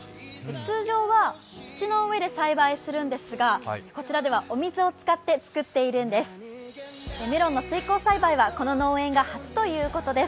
通常は土の上で栽培するんですがこちらではお水を使って作っているんです。